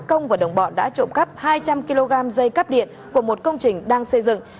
công và đồng bọn đã trộm cắp hai trăm linh kg dây cắp điện của một công trình đang xây dựng